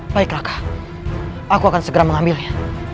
baik kakak aku akan segera mengambilnya